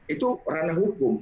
itu ranah hukum